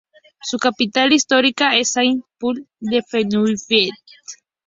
Su capital histórica es Saint-Paul-de-Fenouillet.